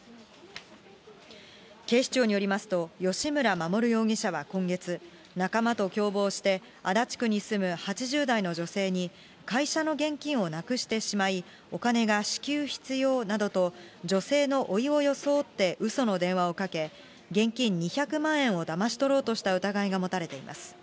警視庁によりますと、吉村守容疑者は今月、仲間と共謀して、足立区に住む８０代の女性に、会社の現金をなくしてしまい、お金が至急必要などと、女性のおいを装ってうその電話をかけ、現金２００万円をだまし取ろうとした疑いが持たれています。